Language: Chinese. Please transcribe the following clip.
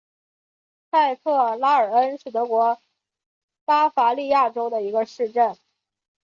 蔡特拉尔恩是德国巴伐利亚州的一个市镇。